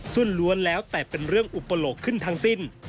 ส่วนล้วนแล้วแต่เป็นเรื่องอุปโลกขึ้นทั้งสิ้น